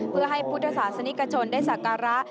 เพื่อให้พุทธศาสนิกชนได้สักการะ